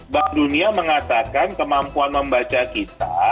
bank dunia mengatakan kemampuan membaca kita